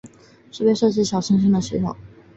是被设计来发现掠地小行星的系统。